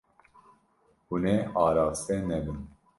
Hûn ê araste nebin.